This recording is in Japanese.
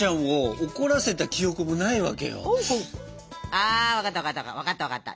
あ分かった分かった分かった分かった。